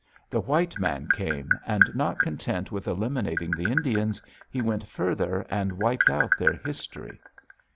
The white man came, and not content with eliminating the Indians, he went further and wiped out their history.